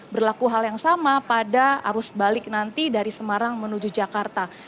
berlaku hal yang sama pada arus balik nanti dari semarang menuju jakarta